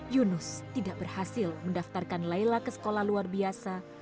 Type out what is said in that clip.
yunus tidak berhasil mendaftarkan layla ke sekolah luar biasa